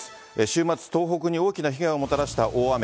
週末、東北に大きな被害をもたらした大雨。